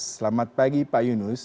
selamat pagi pak yunus